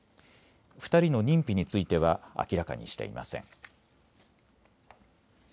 ２人の認否については明らかにしていません。